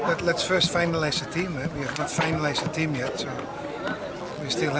kita harus mencapai tim pertama kita belum mencapai tim